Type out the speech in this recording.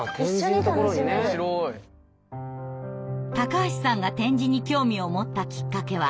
橋さんが点字に興味を持ったきっかけは５年前。